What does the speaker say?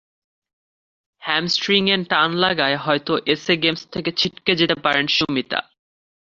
হ্যামস্ট্রিংয়ে টান লাগায় হয়তো এসএ গেমস থেকেই ছিটকে যেতে পারেন সুমিতা।